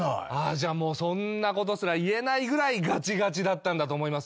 じゃあもうそんなことすら言えないぐらいガチガチだったんだと思います。